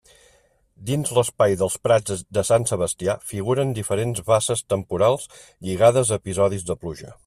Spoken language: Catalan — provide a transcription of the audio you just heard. Dins l'espai dels prats de Sant Sebastià, figuren diferents basses temporals lligades a episodis de pluja.